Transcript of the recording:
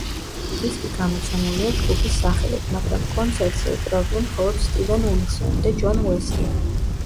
დისკი გამოცემულია ჯგუფის სახელით, მაგრამ კონცერტზე უკრავდნენ მხოლოდ სტივენ უილსონი და ჯონ უესლი.